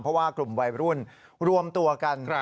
เพราะว่ากลุ่มวัยรุ่นรวมตัวกัน